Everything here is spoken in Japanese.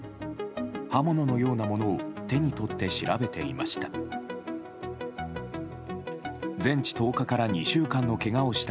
刃物のようなものを手に取って調べていました。